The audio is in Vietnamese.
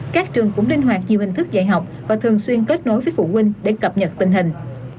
các trường cũng linh hoạt nhiều hình thức dạy học và thường xuyên kết nối với phụ huynh để cập nhật tình hình